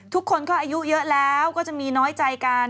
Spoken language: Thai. ทุกคนก็อายุเยอะแล้วก็จะมีน้อยใจกัน